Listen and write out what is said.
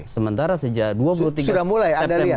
sementara sejak dua puluh tiga september